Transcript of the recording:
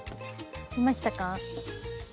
いましたか？